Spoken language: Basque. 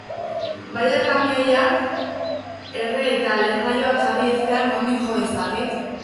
Baina kamioiak erre eta lehergailuak jarri ezean, nondik jo dezaket?